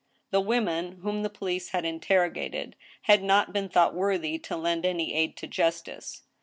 The women whom the police had interrogated had not been thought worthy to lend any aid to justice.